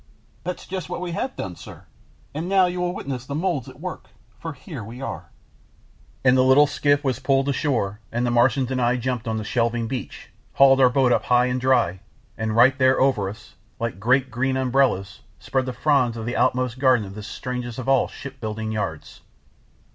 "That's just what we have done, sir, and now you will witness the moulds at work, for here we are," and the little skiff was pulled ashore and the Martians and I jumped out on the shelving beach, hauled our boat up high and dry, and there right over us, like great green umbrellas, spread the fronds of the outmost garden of this strangest of all ship building yards.